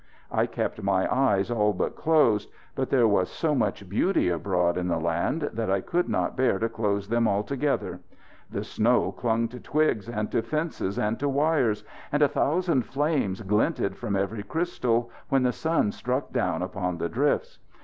I kept my eyes all but closed but there was so much beauty abroad in the land that I could not bear to close them altogether. The snow clung to twigs and to fences and to wires, and a thousand flames glinted from every crystal when the sun struck down upon the drifts.